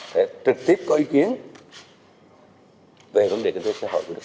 sẽ trực tiếp có ý kiến về vấn đề kinh tế xã hội của đất